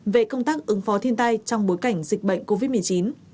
về công tác ứng phó thiên tai trong bối cảnh dịch bệnh covid một mươi chín